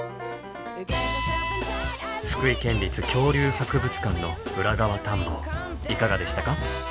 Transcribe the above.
福井県立恐竜博物館の裏側探訪いかがでしたか？